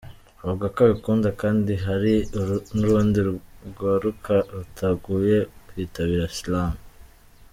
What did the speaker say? Avuga ko abikunda kandi hari n'urundi rwaruka rutanguye kwitabira Slam.